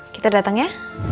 kita dateng ya